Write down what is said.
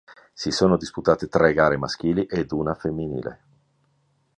Si sono disputate tre gare maschili e una femminile.